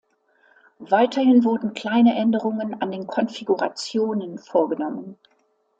Weiterhin wurden kleine Änderungen an den Konfigurationen vorgenommen.